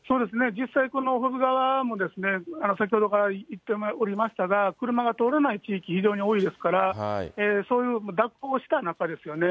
実際、この保津川も、先ほどから言っておりましたが、車が通れない地域、非常に多いですから、そういう蛇行した中ですよね。